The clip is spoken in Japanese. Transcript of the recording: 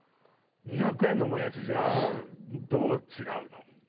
２００円のもやしじゃどう違うの？